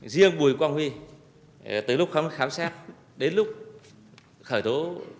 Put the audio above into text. riêng bùi quang huy từ lúc khám xét đến lúc khởi tố